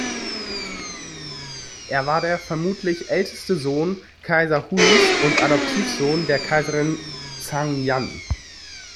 Er war der vermutlich älteste Sohn Kaiser Huis und Adoptivsohn der Kaiserin Zhang Yan.